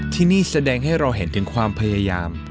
ที่นี่แสดงให้เราเห็นถึงความพยายาม